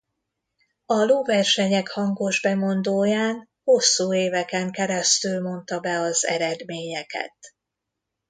A lóversenyek hangosbemondóján hosszú éveken keresztül mondta be az eredményeket.